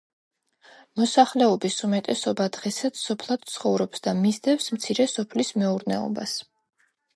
მოსახლეობის უმეტესობა დღესაც სოფლად ცხოვრობს და მისდევს მცირე სოფლის მეურნეობას.